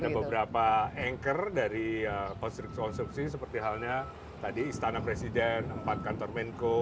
jadi ada beberapa anchor dari konserpsi seperti halnya tadi istana presiden empat kantor menko